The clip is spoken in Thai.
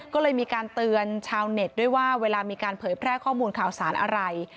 ก็เลยมีการเตือนชาวเน็ตด้วยว่าเวลามีการเผยแพร่ข้อมูลข่าวสารอะไร